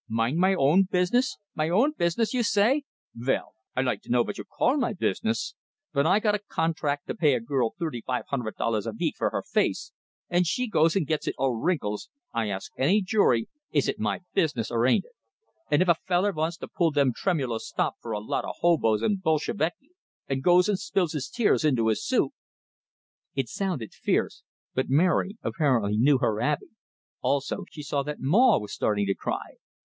"Mind my own business? My own business, you say? Vell, I like to know vot you call my business! Ven I got a contract to pay a girl tirty five hunded dollars a veek fer her face, and she goes and gits it all wrinkles, I ask any jury, is it my business or ain't it? And if a feller vants to pull de tremulo stop fer a lot o' hoboes and Bullsheviki, and goes and spills his tears into his soup " It sounded fierce; but Mary apparently knew her Abey; also, she saw that Maw was starting to cry.